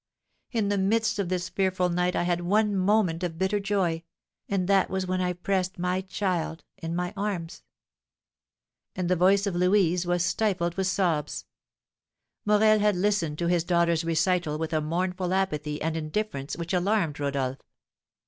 In the midst of this fearful night I had one moment of bitter joy, and that was when I pressed my child in my arms." And the voice of Louise was stifled with sobs. Morel had listened to his daughter's recital with a mournful apathy and indifference which alarmed Rodolph.